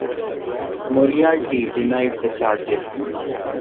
Moriarty denied the charges.